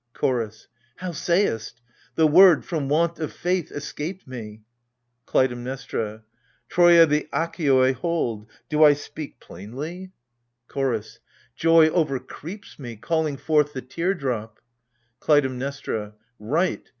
CHOROS. How sayest ? The word, from want of faith, escaped me. KLUTAIMNESTRA. Troia the Achaioi hold : do I speak plainly ? 24 AGAMEMNON. CHORDS. Joy overcreeps me, calling forth the tear drop. KLUTAIMNESTRA. Right